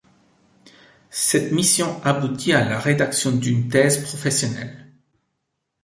Cette mission aboutit à la rédaction d'une thèse professionnelle.